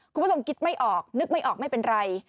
คุณผู้ชมคิดไม่ออกนึกไม่ออกไม่เป็นไร